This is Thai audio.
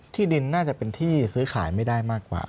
ที่ดินน่าจะเป็นที่ซื้อขายไม่ได้มากกว่า